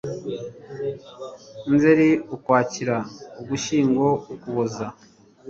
NZERI, UKWAKIRA, UGUSHYINGO, UKUBOZA